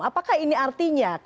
apakah ini artinya